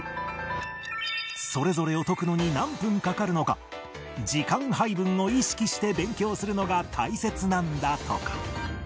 それぞれを解くのに何分かかるのか時間配分を意識して勉強するのが大切なんだとか